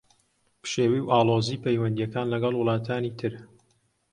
پشێوی و ئاڵۆزیی پەیوەندییەکان لەگەڵ وڵاتانی تر